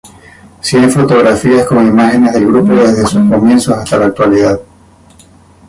Cien fotografías con imágenes del grupo desde sus comienzos hasta la actualidad.